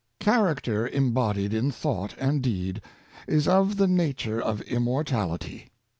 Character embodied in thought and deed, is of the nature of immortality.